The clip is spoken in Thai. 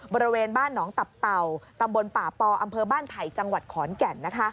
บริเวณบ้านหนองตับเต่าตำบลป่าปออำเภอบ้านไผ่จังหวัดขอนแก่น